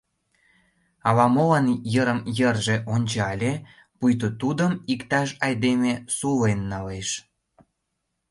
Ала-молан йырым-йырже ончале, пуйто тудым иктаж айдеме сулен налеш.